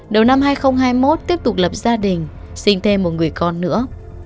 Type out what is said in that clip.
đầu năm hai nghìn hai mươi một tiếp tục lập gia đình sinh thêm một người con nữa